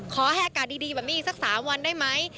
ขอให้อากาศดีแบบนี้อีกสัก๓วันได้ไหม